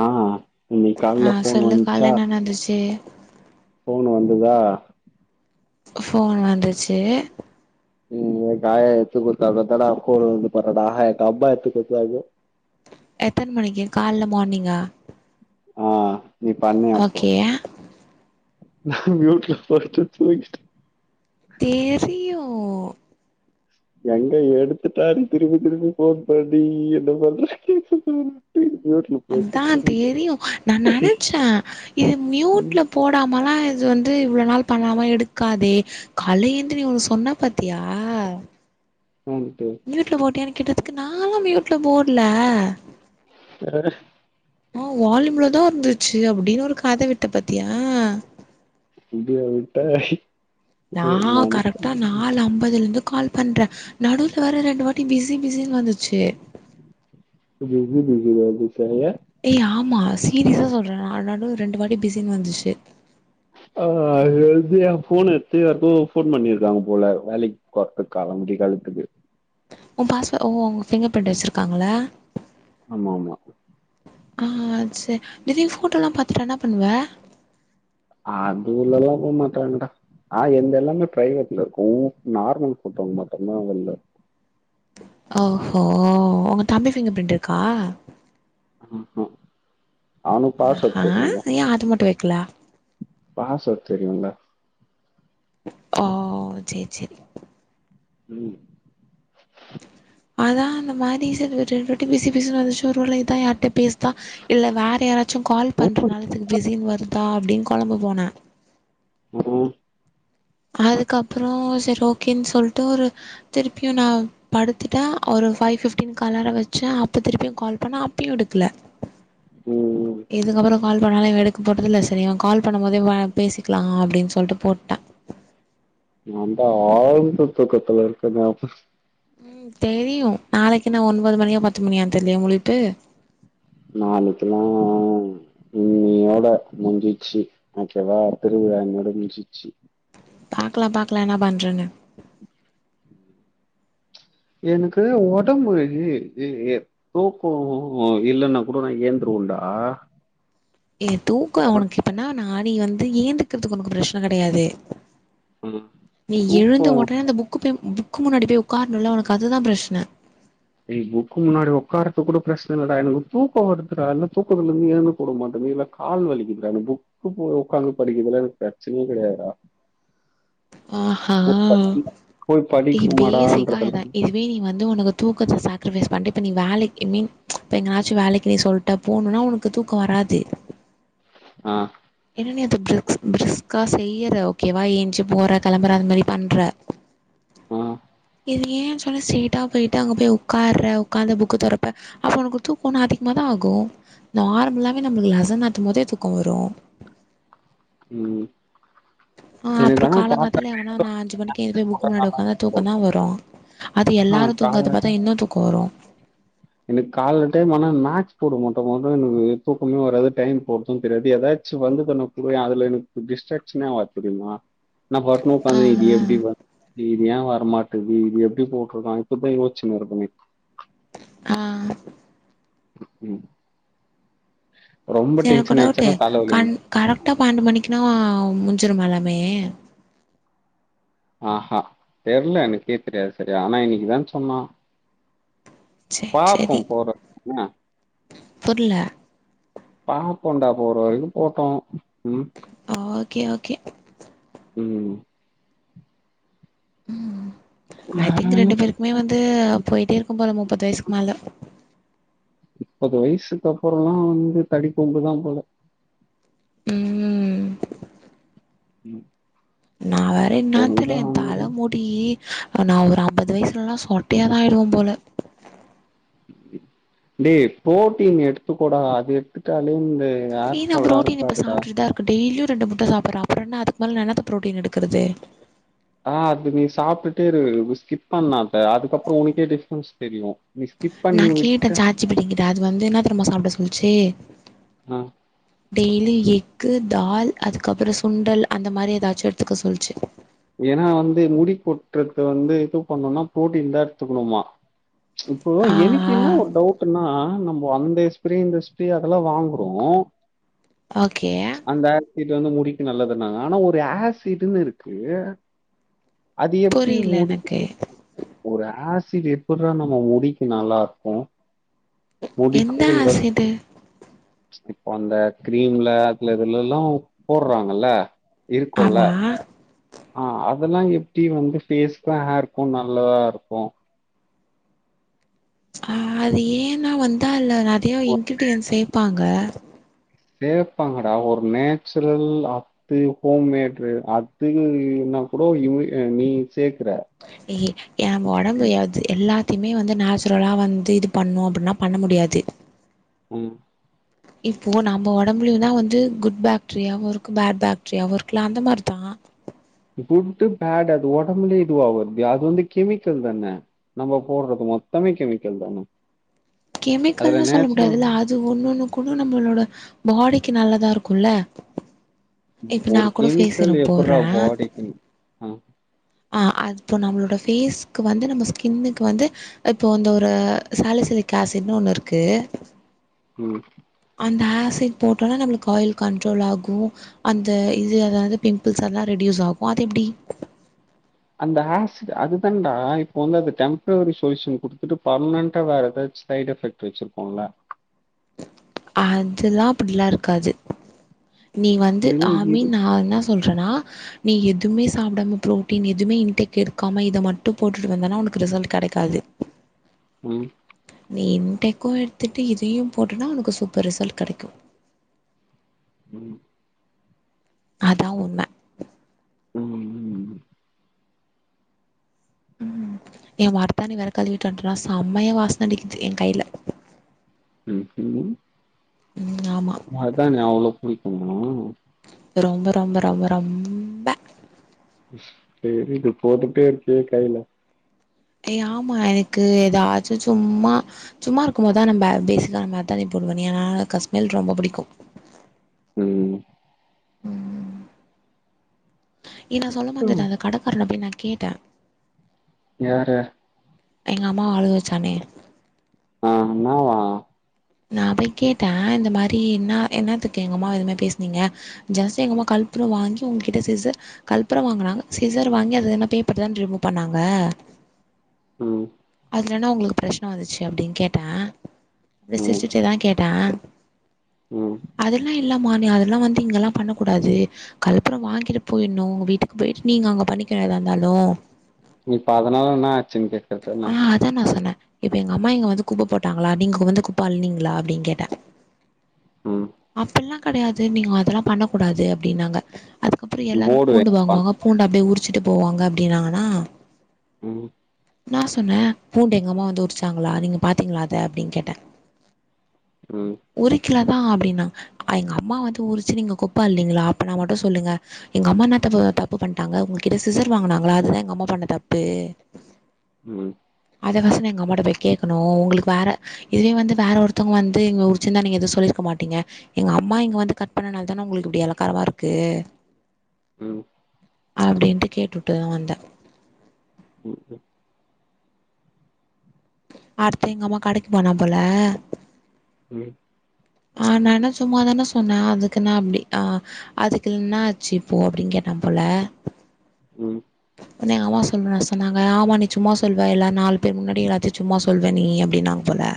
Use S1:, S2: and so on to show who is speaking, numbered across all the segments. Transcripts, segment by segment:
S1: ஆ இன்னைக்கு
S2: ஆ
S1: காலைல ஃபோன்
S2: சொல்லு
S1: வந்துச்சா
S2: கால்ல என்ன நடந்துச்சி
S1: ஃபோன் வந்துதா
S2: ஃபோன் வந்துச்சி
S1: ம் காய எத்து குத்த அ தட அக்கோ வந்து பரோட ஆஹா ஆத்து அப்பா எத்து குத்தாங்க
S2: எத்தன மணிக்கு கால்ல மார்னிங்கா
S1: ஆ நீ பண்ணிய அப்போ
S2: ஓகே
S1: நா மியுட்ல போட்டு தூங்கிட்டே
S2: தேரி
S1: எங்க எடுத்துட்டா நீ திருப்பி திருப்பி ஃபோன் பண்ணி என்ன பண்ற [unintelligible]
S2: அதா
S1: தூங்கிட்ட
S2: தெரியு நா நெனச்சே இது மியூட்ல
S1: ம்
S2: போடாமலா இது வந்து இவ்ளோ நாள் பண்ணாம எடுக்காதே கால்வ எந்திருக்க முடியல சொன்ன பாத்தியா
S1: [unintelligible]
S2: மியூட்ல போட்டியானு கேட்டதுக்கு நாலா மியூட்ல போட்ல
S1: வேற
S2: ஆ வால்யூம்லதா இருந்துச்சு அப்டினு ஒரு கத விட்ட பாத்தியா
S1: இதியா விட்ட
S2: நா கரெக்டா நால் அம்பதுல இருந்து கால் பண்ற நடுவுல வேற ரெண்டு வாட்டி பிஸி பிஸினு வந்துச்சு
S1: பிஸி பிஸி வந்துசாயா
S2: ஏ ஆமா சீரிஸா சொல்றே நா நடுல ரெண்டு வாட்டி பிஸினு வந்துச்சு
S1: அதுல இருந்து ஏ ஃபோன் எடுத்து ஃபோன் யாருகோ பண்ணிருக்காக கொறத்து களம்புடி கழுக்குது
S2: பாஸ்வ ஓ அவுங்க ஃபிங்கர் ஃப்ரிண்ட் வச்சிருக்காங்ள
S1: ஆமா ஆமா
S2: ஆ செ திடிருனு ஃபோட்டோலா பாத்துட்டா என்ன பண்ணுவ
S1: அது உள்ளலா போ மாட்டாங்கடா ஆ என்து எல்லாமே ப்ரைவேட்ல இருக்கு நார்மல் போட்டோங்க மட்டுந்தா வெள்ல
S2: ஆ கா ஒங்க தம்பி ஃபிங்கர்ப்ரின்ட் இருக்கா
S1: ம்
S2: அ க ஏ அது மட்டு வைக்கல
S1: பாஸ்வேர்ட் தெரியுல்ல
S2: ஆ சேர் சேரி
S1: ம்
S2: அதா அந்த மாரி [unintelligible] ரெட்டி பிஸி பிஸி வந்துச்சோ ஒருவேல இதா யார்ட்ட பேஸ் தா இல்ல வேற யாராச்சு கால் பண்றனால இதுக்கு பிஸினு வருதா அப்டின் கொழம்பு போன
S1: ஓ
S2: அதுக்கப்றோ சரி ஓகேன் சொல்ட்டு ஒரு திருப்பியு நா படுத்துட்ட ஒரு ஃபைவ் பிஃப்டீன்க்கு அலாரோ வச்ச அப்போ திருப்பியு கால் பண்ண அப்பயு எடுக்ல
S1: ம்
S2: இதுக்கப்றோ கால் பண்ணாலு இவ எடுக்க போறதில்ல செரி இவ கால் பண்ணபோதே வ பேசிக்கலா அப்டின் சொல்ட்டு போட்ட
S1: நல்ல ஆழ்ந்த தூக்கத்துல இருக்க நா
S2: ம் தெரியு நாளைக்குன்னா ஒன்பது மணியா பத்து மணியான் தெரிலயே முழிப்பு
S1: நாளைக்கிலா இன்னியோட முடிஞ்சிச்சி ஓகே வா திருவிழா இன்னியோட முடிஞ்சிச்சி
S2: பாக்லா பாக்லா என்ன பண்றணு
S1: எனக்கு ஒடம்பு இ இ இ தூக்கோ இல்லன்னா கூட நா ஏந்துருவன்டா
S2: ஏ தூக்கோ அவனுக்கு இப்ப இன்னான நீ வந்து ஏந்துக்கிறதுக் உனக்கு ப்ரச்சன கெடையாது
S1: ம்.
S2: நீ எழுந்த
S1: தூக்கம்
S2: ஒடனே அந்த புக்கு போய் புக்கு முன்னாடி போய் உக்கார்ணுல்ல உனக்கு அதுதா ப்ரச்ன
S1: ஏ புக்கு முன்னாடி உக்காரது கூட பிரச்ன இல்லடா எனக்கு தூக்கோ வருதுடா இல்ல தூக்கத்துல இருந்து எழுந்துக்க உட மாட்டேங்க நீலா கால் வலிக்குதுடா எனக்கு புக்கு போ உக்காந்து படிக்கதுல எனக்கு பிரச்சனே கெடையாதுடா
S2: ஆஹா எ பேஸிக்கா இதா
S1: படிக்கணுமாடான்றதெல்லாம்
S2: இது வே நீ வந்து உனக்கு தூக்கத்த சக்ரிஃபைஸ் பண்ட்டு இப்ப நீ வேல ஐ மீன் எங்கனாச்சு வேலைக்கு நீ சொல் ட்ட போணுனா உனக்கு தூக்கோ வராது
S1: ஆ
S2: ஏன்னா நீ அது ப்ரி ப்ரிஸ்க்கா செய்யிற ஓகேவா ஏஞ்சு போற கெளம்பற அந்த மாரி பண்ற
S1: ஆ
S2: இது ஏன்னு சொல்லு ஸ்ட்ரேட்டா போய்ட்டு அங்க போய் உக்கார்ர உக்காந்து புக்கு தொறப்ப அப்ப உனக்கு தூக்கோன்னு அதிகமா தா ஆகு நார்மலாவே நம்மளுக்கு லெசன் நத்தும் போதே தூக்கோ வரு
S1: ம்
S2: ஆ
S1: எனக்கு
S2: அப்புறோ
S1: ஆனா
S2: காலங்
S1: கால்
S2: காத்தாலே எவனா நால அஞ்சு மணிக்கு எது போய் புக்கு முன்னாடி உக்காந்தா தூக்கோந்தா வரு அது
S1: ஆ
S2: எல்லாரு
S1: கால்
S2: தூங்கறது பாத்தா இன்னு தூக்கோ வரு
S1: எனக்கு கால்ல டைம் ஆனா மக்ஸ் போடு போது மட்டு எனக்கு தூக்கமே வராது டைம் போறது தெரியாது ஏதாது மக்ஸ் வந்து கொஞ்சோ குடுய அதுல எனக்கு டிஸ்ட்ராக்ஷனே ஆவாது தெரிமா நா வர்னு இப்ப
S2: ஆ
S1: இது எப்டி வந்த இது ஏ வரமாட்டது இது எப்டி போட்ருக்கா இப்பதா யோசிச்சுனு இருப்பனே
S2: ஆ
S1: ம் ரொம்ப
S2: சரி எனக்கு ஒரு
S1: டென்ஷன்
S2: டவுட்டு
S1: ஆயிச்சன்னா தலைவலி வந்
S2: கண் கரெக்டா பன்னெண்டு மணிக்குனா முஞ்சுருமா எல்லாமே
S1: ஆஹ தெர்ல எனக்கே தெரியாது சரியா ஆனா இன்னைக்குதா சொன்னா
S2: சேர்
S1: பாப்போ
S2: சேரி
S1: போற வரைக்கும் என்ன
S2: புர்ல
S1: பாப்பண்டா போற வரைக்கு போட்டு ம்
S2: ஓகே ஓகே
S1: ம்
S2: ம் ஐ திங்க் ரெண்டு பேருக்குமே வந்து போய்ட்டே இருக்கு போல முப்பது வய்சுக்கு மேல
S1: முப்பது வய்சுக்கு அப்பறோ தா வந்து [unintelligible] தா போல
S2: ம் ம்
S1: ம்
S2: அத என்னானு
S1: ஒழுங்கா
S2: தெர்ல என்
S1: வந்து
S2: தல முடி நா ஒரு அம்பது வய்சுலலா சொட்டையா தா ஆயிடுவ போல
S1: டே புரோட்டீன் எடுத்துக்கோடா அது எடுத்துட்டாலேயே இந்த ஏர்
S2: இது
S1: ஃபால்லா
S2: ப்ரோட்டீன் இப்ப
S1: இருக்காதுடா
S2: சாப்ட்டுட்டு தா இருக்கே டெய்லியு ரெண்டு முட்ட சாப்ட்ற அப்பறோ என்ன அதுக்கு மேல நா என்னத்த ப்ரோட்டீன் எடுக்குறது
S1: ஆ அது நீ சாப்ட்டுட்டே இரு ஸ்கிப் பண்ணாத அதுக்கப்பறோ உனக்கே டிஃப்ரென்ஸ் தெரியு நீ ஸ்கிப்
S2: நா
S1: பண்ணி
S2: கேட்டே
S1: விட்ட
S2: சேட் ஜிபிக்கிட்டே அது வந்து என்ன தெர்மா சாப்ட சொல்லிச்சு
S1: ஆ
S2: டெய்லி எக்கு தால் அதுக்கப்பறோ சுண்டல் அந்த மாதிரி ஏதாச்சு எடுத்துக்க சொல்லிச்சு
S1: ஏன்னா வந்து முடி கொட்டுறது வந்து இது பண்ணும்னா புரோட்டீன் தா எடுத்துக்கணுமா இப்போ
S2: ஆ
S1: எனக்
S2: ஆ
S1: என்ன ஒரு டவுட்ன்னா நம்ம அந்த ஸ்ப்ரே இந்த ஸ்ப்ரே அதெல்லா வாங்குறோ
S2: ஓகே
S1: அந்த ஆசிட் வந்து முடிக்கி நல்லதுன்னாங்க ஆனா ஒரு ஆசிடன்னு இருக்கு அது எப்டி [inaudible]
S2: புரியல எனக்கு
S1: ஒரு ஆசிட் எப்பட்றா நம்ம முடிக்கு நல்லா இருக்கு முடிக்கு
S2: எந்த
S1: [inaudible]
S2: ஆசிடு
S1: இப்போ அந்த கிரீம்ல அதுல இதுலல்லா போடுறாங்கல்ல இருக்குல்ல
S2: ஆமா
S1: ஆ அதெல்லா எப்டி வந்து பேஸ்கு ஹேர்க்கு நல்லதா இருக்கு
S2: ஆ அது ஏன்னா வந்து அதுல்ல நெறையா
S1: ஒரு
S2: இன்கிரீடியன்ட் சேப்பாங்க
S1: சேப்பாங்கடா ஒரு நேச்சுரல் அ அத்து ஹோம் மேட்ரு அத்து என்ன கூட இ நீ சேக்கற
S2: யே எ ஒடம்பு [inaudible] த்து எல்லாத்தையுமே வந்து நேச்சுரலா வந்து இது பண்ணு அப்டின்னா பண்ண முடியாது
S1: ம்
S2: இப்போ நம்ம ஒடம்புலையு தா வந்து குட் பேக்டீரியாவு இருக்கு பேட் பேக்டீரியாவு இருக்குல அந்த மாரிதா
S1: குட்டு பேட் அது ஒடம்புலே இதுவாகது அது வந்து கெமிக்கல் தானே நம்ம போடுறது மொத்தமே கெமிக்கல் தான
S2: கெமிக்கல்ன்னனு சொல்ல முடியாதுல்ல அது ஒன்னு ஒண்ணு கூட நம்மளோட பாடிக்கு நல்லதா இருக்கும்ல்ல
S1: ம் ஒரு கெமிக்கல் எப்படுறா
S2: போடுறேன்
S1: பாடிக்கு‌ ஹ
S2: ஆ அது இப்போ நம்மளோடய ஃபேஸ்க்கு வந்து நம்ம ஸ்கின்னுக்கு வந்து இப்போ அந்த ஒரு சலசிலிக் ஆசிட் இனு ஒண்ணு இருக்கு
S1: ம்
S2: அந்த ஆசிட் போட்டோம்னா நம்மளுக்கு ஆயில் கண்ட்ரோல் ஆகு அந்த இது அதாவ்து பிம்பிள்ஸ் எல்லா ரெடியூஸ் ஆகு அது எப்டி
S1: அந்த ஆசிட் அது தண்டா இப்போ வந்து அது டெம்பரவரி சொல்யூஷன் குடுத்துட்டு பர்மனன்டா வேற ஏதாவாச்சி சைடு எஃபெக்ட் வெச்சிரு போலே
S2: அதுலா அப்டிலா இருக்காது நீ வந்து
S1: அப்படின்னா
S2: ஆமீன் நா என்ன சொல்றேன்னா நீ எதுமே சாப்டாம புரோட்டீன் எதுவுமே இன்டெக் எடுக்காம இத மட்டு போட்டுட்டு வந்தனா உனக்கு ரிசல்ட் கடக்காது
S1: ம்
S2: நீ இன்டெகு எடுத்துட்டு இதையு போட்டனா உனக்கு சூப்பர் ரிசல்ட் கெடக்கு
S1: ம்
S2: அதா உண்ம
S1: ம் ம்
S2: ம் எ மர்த்தாணி வேற கழுவிட்டு வந்ட்டான செம்மையா வாசன அடிக்குது எ கையில
S1: ம் ம்
S2: ம் ஆமா
S1: மருதாணி அவ்ளோ புடிக்குமா
S2: ரொம்ப ரொம்ப ரொம்ப ரொம்
S1: செரிது போட்டுட்டே இருக்கியே கையில
S2: ஏ ஆமா எனக்கு ஏதாச்சு சும்மா சும்மா இருக்கும்போதுதா நம்ப பேசிக்கா ந மர்த்தாணி போடுவேனு ஏனா க ஸ்மெல் ரொம்ப புடிக்கு
S1: ம்
S2: ம் ஏ நா சொல்ல
S1: ம்
S2: மறந்துடே அந்த கடக்கரான நா போய் கேட்டே
S1: யார
S2: எங்க அம்மாவ அழுக வைச்சானே
S1: ஆ என்னவா
S2: நா போய் கேட்டே இந்த மாரி இன்னா என்னாத்துக்கு எங்க அம்மாவ இந்த மா பேசுனீங்க ஜாஸ்தி எங்கமா கல்பூரோ வாங்கி உங்ககிட்ட சிச கல்ப்புற வாங்குனாங்க சீசர் வாங்கி அது என்ன பேப்பர் தான ரிமூவ் பண்ணாங்க
S1: ம்
S2: அதுல என்னா உங்களுக்கு பிரச்சன வந்துச்சு அப்டின் கேட்டே
S1: ம்
S2: சிரிச்சிட்டேதா கேட்டே
S1: ம்
S2: அதெல்லா இல்ல மா நீ அதெல்லா வந்து இங்கெல்லா பண்ணக்கூடாது கலப்புறோ வாங்கிட்டு போயிட்ணு உங்க வீட்டுக்கு போயிட்டு நீங்க அங்க பண்ணிக்கணு ஏதா இருந்தாலு
S1: இப்போ அதுனால என்னா ஆச்சுன்டு
S2: ஆ அதா நா சொன்னே இப்ப எங்க அம்மா இங்க வந்து குப்ப போட்டாங்களா நீங்க வந்து குப்ப அள்னீங்களா அப்டின் கேட்டே
S1: ம்
S2: அப்பிட்லா கெடையாது நீங்க அதெல்லா பண்ணக் கூடாது அப்டின்னாங்க அதுக்கப்புறோ எல்லாரு
S1: போர்டு
S2: பூண்டு
S1: வைப்பாங்க
S2: வாங்குவாங்க பூண்டு அப்டியே உறிச்சிட்டு போவாங்க அப்டின்னாங்கன்னா
S1: ம்
S2: நா சொன்னே பூண்டு எங்கம்மா வந்து உரிச்சாங்களா நீங்க பாத்தீங்களா அத அப்டின் கேட்டே
S1: ம்
S2: ஒரு கிலோ தா அப்டின்னா எங்க அம்மா வந்து உரிச்சு நீங்க குப்ப அள்னீங்களா அப்பனா மட்டு சொல்லுங்க எங்க அம்மா என்னா தப்பு தப்பு பண்ட்டாங்க உங்ககிட்ட சிசர் வாங்குனாங்களா அதுதா எங்க அம்மா பண்ண தப்பு
S1: ம்
S2: அத நா சொன்ன எங்க அம்மாட்ட போய் கேக்கணு உங்களுக்கு வேற இதுவே வந்து வேற ஒருத்தவங்க வந்து இங்க உரிச்சிந்தா நீங்க எதுவு சொல்லி இருக்க மாட்டீங்க எங்க அம்மா இங்க வந்து கட் பண்ணனால தான உங்களுக்கு இப்டி எலக்காரமா இருக்கு
S1: ம்
S2: அப்டின்ட்டு கேட்டுட்டுதா வந்த
S1: ம் ம்
S2: அடுத்து எங்கம்மா கடைக்கு போனா போல
S1: ம்
S2: ஆ நா என்ன சும்மாதான சொன்ன அதுக்குன்னா அப்டி ஆ அதுக்கு இன்னாச்சு இப்போ அப்டின் கேட்டா போல
S1: ம்
S2: ஒன்னே எங்க அம்மா சொன்ன சொன்னாங்க ஆமா நீ சும்மா சொல்வ இல்ல நாலு பேர் முன்னாடி எல்லாத்தையு சும்மா சொல்வ நீ அப்டின்னாங் போல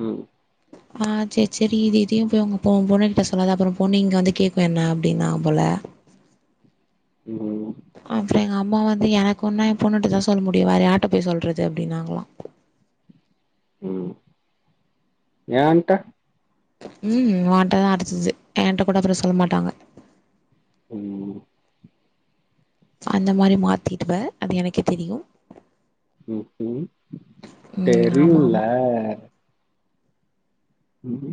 S1: ம்
S2: ஆ சேர் செரி இது இதுயு போய் உங்க பொ பொண்ணு கிட்ட சொல்லாத அப்புற பொண்ணு இங்க வந்து கேக்கு என்ன அப் அப்டின்னாங் போல
S1: ம்
S2: அப்றொ எங்க அம்மா வந்து எனக்கு ஒன்னா எ பொண்ணுட்டதா சொல்ல முடியு வேற யாருட்ட போய் சொல்றது அப்டின்னாங்களா
S1: ம் ஏன்ட்ட
S2: ம் ஒன்ட தா அடுத்தது என்ட்ட கூட அதெல்லா சொல்ல மாட்டாங்க
S1: ம்
S2: அந்த மாரி மாத்திடுவ அது எனக்கே தெரியு
S1: ம்ம்
S2: ம் ஆமாம்
S1: தெரியும்ல
S2: ஆமாம்
S1: ம் ஹூ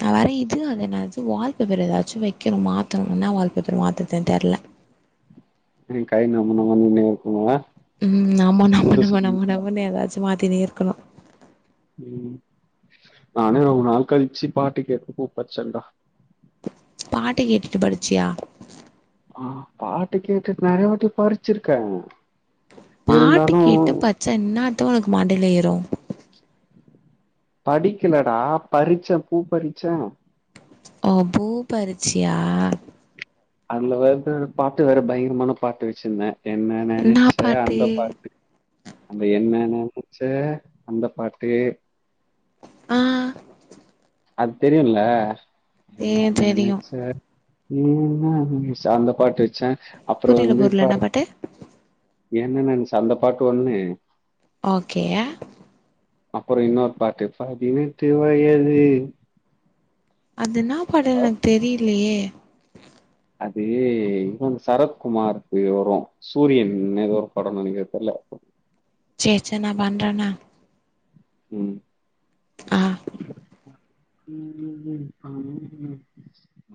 S2: நா வேற இது அல்லென்னது வால்பேப்பர் ஏதாச்சு வெக்கணு மாத்தணு ன்னா வால்பேப்பர் மாத்தரதுன் தெர்ல
S1: நீ கை நம நமனுனே இருக்குங்களா
S2: ம் ஆமா நம நம நம நமண் எதாச்சு மாத்தினே இருக்கணு
S1: ம் நானே ரொம்ப நாள் கழிச்சு பாட்டு கேட்டு பூ பறிச்சன்டா
S2: பாட்டு கேட்டுட்டு படிச்சியா
S1: ஆ பாட்டு கேட்டுட் நறிய வாட்டி பறிச்சிருக்கே
S2: பாட்டு கேட்டு பச்சா ன்னாத்த ஒனக்கு மண்டைல ஏறு
S1: படிக்கலடா பறிச்ச பூ பறிச்சோ
S2: ஓ பூ பறிச்சியா
S1: அதுல வருத பாட்டு வேற பயங்கரமான பாட்டு வெச்சிருந்தே என்ன
S2: என்னா
S1: நெனச்ச
S2: பாட்டு
S1: அந்த பாட்டு அந்த என்ன நெனச்ச அந்த பாட்டு
S2: ஆ
S1: அது தெரியுல என்ன
S2: தெரியு தெரியு
S1: நெனச்ச அந்த பாட்டு வச்ச அப்புற
S2: புரியல
S1: வந்து
S2: புரியல
S1: இப்ப
S2: என்ன பாட்டு
S1: என்னநெனச்ச அந்த பாட்டு ஒண்ணு
S2: ஓகே
S1: அப்றொ இன்னொரு பாட்டு பதினெட்டு வயதில்
S2: அது ன்னா பட எனக் தெரிலியே
S1: அது இன்னொன் சரத்குமார்க்கு வரு சூரியன் ஏதோ ஒரு படொ நெனைக்கிற தெர்ல
S2: சேர் சேர் நா பண்றன்ன
S1: ம்
S2: ஆ
S1: ம் ம் ம் ம்.